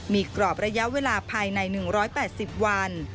มีกรอบระยะเวลาภายใน๑๘๐วัน